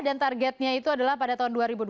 dan targetnya itu adalah pada tahun dua ribu dua puluh